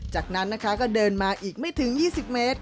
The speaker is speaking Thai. จากนั้นนะคะก็เดินมาอีกไม่ถึง๒๐เมตร